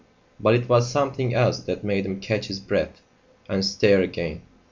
But it was something else that made him catch his breath and stare again.